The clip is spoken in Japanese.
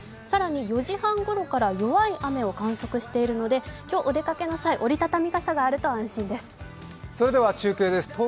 更に４時半ごろから弱い雨を観測しているので今日、お出かけの際、折り畳み傘があると安心です。